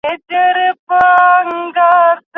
ګروپي کار د ټولنیزې ودي لپاره ګټور دی.